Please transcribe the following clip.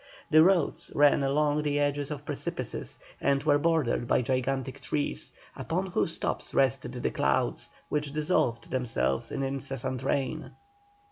The roads ran along the edges of precipices, and were bordered by gigantic trees, upon whose tops rested the clouds, which dissolved themselves in incessant rain.